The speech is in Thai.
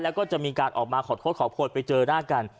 แล้วก็จะมีการออกมาขอบควรไปเจอหน้ากัน